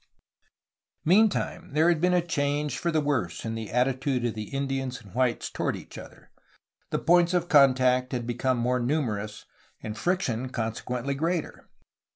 Meantime there had been a change for the worse in the attitude of Indians and whites toward each other; the points of contact had become more numerous, and friction con sequently greater.